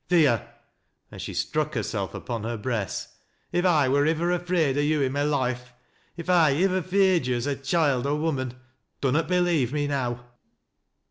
Theer!" and she struck herself upon hej breast. " If I wur ivver afraid o' yo' i' my loif e — if I ivver feared yo' as choild or woman, dunnot believe me now."